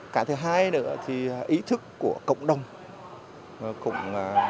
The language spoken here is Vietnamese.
cả thứ hai nữa thì ý thức của cộng đồng